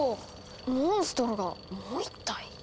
モンストロがもう一体？